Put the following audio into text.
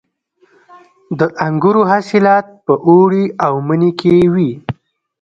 د انګورو حاصلات په اوړي او مني کې وي.